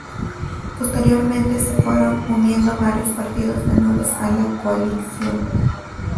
Posteriormente se fueron uniendo varios partidos menores a la Coalición.